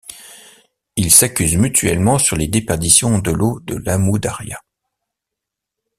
Ils s’accusent mutuellement sur les déperditions de l’eau de l'Amou-Daria.